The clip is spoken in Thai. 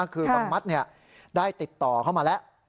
คือเวลาได้ติดต่อเข้ามาแล้ว